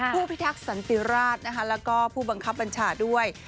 ผู้พิทักษันติราชนะคะแล้วก็ผู้บังคับบัญชาด้วย